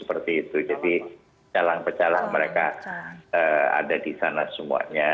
menjadikan keseluruhan asli teratur secara